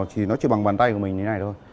thì nó chỉ bằng bàn tay của mình thế này thôi